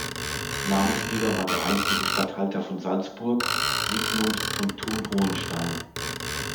Namensgeber war der einstige Statthalter von Salzburg, Sigmund von Thun-Hohenstein.